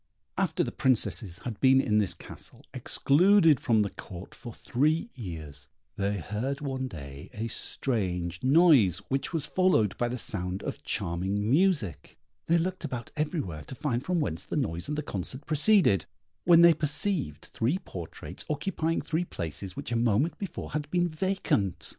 After the Princesses had been in this castle, excluded from the Court for three years, they heard one day a strange noise, which was followed by the sound of charming music; they looked about everywhere to find from whence the noise and the concert proceeded, when they perceived three portraits occupying three places which a moment before had been vacant.